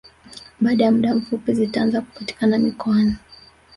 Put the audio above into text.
Baada ya muda mfupi zitaanza kupatikana mikoani